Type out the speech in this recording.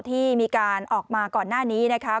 ที่มีการออกมาก่อนหน้านี้นะคะ